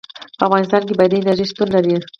په افغانستان کې بادي انرژي شتون لري.